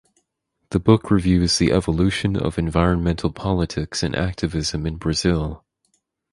The book reviews the evolution of environmental politics and activism in Brazil.